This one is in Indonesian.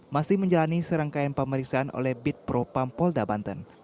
masih menjalani serangkaian pemeriksaan oleh bid propam polda banten